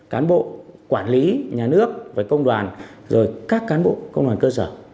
cán bộ quản lý nhà nước về công đoàn rồi các cán bộ công đoàn cơ sở